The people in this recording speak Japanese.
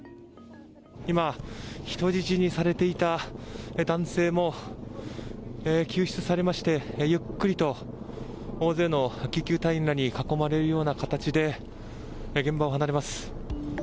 今、人質にされていた男性も救出されましてゆっくりと大勢の救急隊員らに囲まれるような形で現場を離れます。